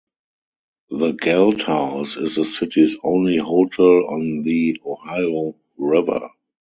The Galt House is the city's only hotel on the Ohio River.